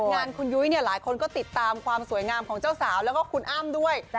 งานคุณยุ้ยเนี่ยหลายคนก็ติดตามความสวยงามของเจ้าสาวแล้วก็คุณอ้ำด้วย